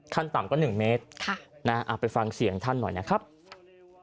ขั้นต่ำก็๑เมตรไปฟังเสียงท่านหน่อยนะครับ